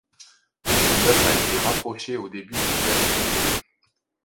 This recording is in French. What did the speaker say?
Son œuvre a été rapprochée aux débuts du jazz fusion.